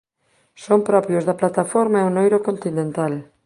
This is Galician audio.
Son propios da plataforma e o noiro continental.